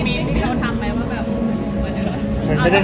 ไม่ได้เห็น